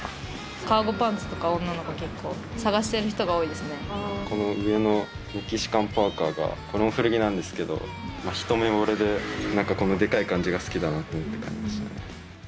カーゴパンツとか、女の子、この上のメキシカンパーカーが、これも古着なんですけど、一目ぼれで、なんかこのでかい感じが好きだなと思って買いました。